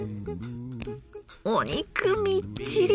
お肉みっちり。